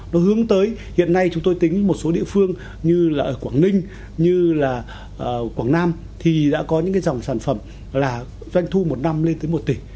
với hiện nay chúng tôi tính một số địa phương như là quảng ninh như là quảng nam thì đã có những cái dòng sản phẩm là doanh thu một năm lên tới một tỷ